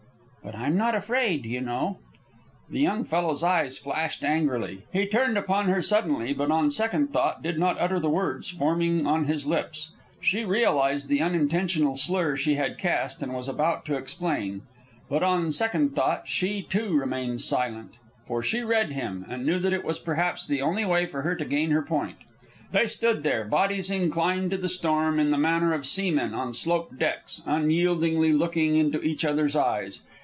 "But I'm not afraid, you know." The young fellow's eyes flashed angrily. He turned upon her suddenly, but on second thought did not utter the words forming on his lips. She realized the unintentional slur she had cast, and was about to explain. But on second thought she, too, remained silent; for she read him, and knew that it was perhaps the only way for her to gain her point. They stood there, bodies inclined to the storm in the manner of seamen on sloped decks, unyieldingly looking into each other's eyes.